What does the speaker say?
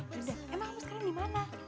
yaudah emang kamu sekarang dimana